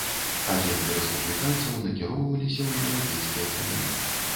Агенты рэспубліканцаў накіроўваліся ў еўрапейскія краіны.